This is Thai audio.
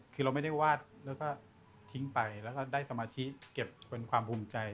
คือเราไม่ได้วาดแล้วก็ทิ้งไปแล้วก็ได้สมาธิเก็บเป็นความภูมิใจ